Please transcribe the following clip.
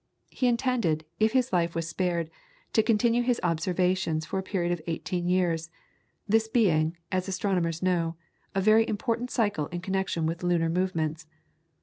He intended, if his life was spared, to continue his observations for a period of eighteen years, this being, as astronomers know, a very important cycle in connection with lunar movements.